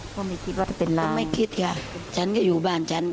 ก็ไม่คิดว่าจะเป็นเราไม่คิดค่ะฉันก็อยู่บ้านฉัน